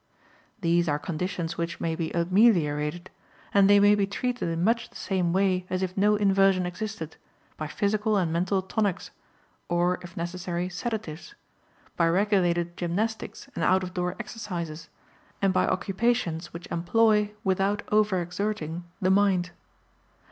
These are conditions which may be ameliorated, and they may be treated in much the same way as if no inversion existed, by physical and mental tonics; or, if necessary, sedatives; by regulated gymnastics and out of door exercises; and by occupations which employ, without overexerting, the mind.